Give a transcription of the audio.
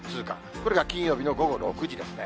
これが金曜日の午後６時ですね。